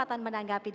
ya ada disini